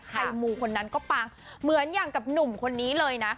ใครมูคนนั้นก็ปังเหมือนอย่างกับหนุ่มคนนี้เลยนะ